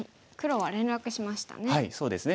はいそうですね。